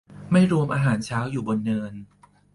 ไม่รวมอาหารเช้า อยู่บนเนิน